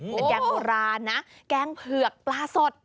เป็นแกงโบราณนะแกงเผือกปลาสด